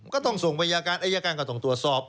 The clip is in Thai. ก็ต้องส่งไปยาการไอ้ยาการกระทงตรวจสอบ